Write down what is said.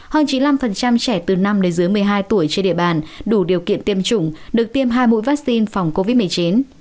hơn chín mươi năm trẻ từ năm đến dưới một mươi hai tuổi trên địa bàn đủ điều kiện tiêm chủng được tiêm hai mũi vaccine phòng covid một mươi chín